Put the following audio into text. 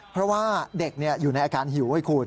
เพราะว่าเด็กอยู่ในอาการหิวให้คุณ